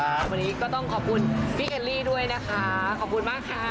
วันนี้ก็ต้องขอบคุณพี่เคลลี่ด้วยนะคะขอบคุณมากค่ะ